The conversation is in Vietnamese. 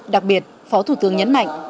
đặc biệt phó thủ tướng nhấn mạnh